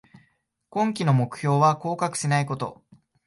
今季の目標は降格しないこと